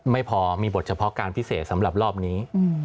ไม่พอมีบทเฉพาะการพิเศษสำหรับรอบนี้